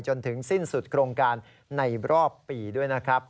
จนถึงสิ้นสุดโครงการในรอบปีด้วยนะครับ